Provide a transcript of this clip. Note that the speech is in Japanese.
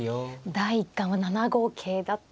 第一感は７五桂あっ。